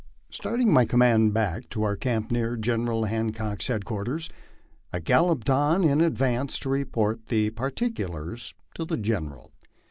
Starting my command back to our camp near General Hancock's headquarters, I galloped on in advance to report the particulars to the General.